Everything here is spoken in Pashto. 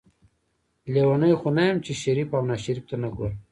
لیونۍ خو نه یم چې شریف او ناشریف ته نه ګورم.